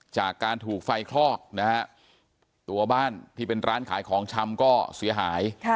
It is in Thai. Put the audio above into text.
จากการถูกไฟคลอกนะฮะตัวบ้านที่เป็นร้านขายของชำก็เสียหาย